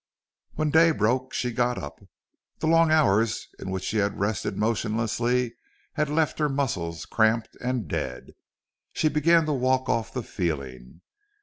When day broke she got up. The long hours in which she had rested motionlessly had left her muscles cramped and dead. She began to walk off the feeling.